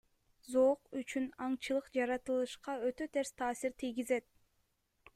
Зоок үчүн аңчылык жаратылышка өтө терс таасир тийгизет.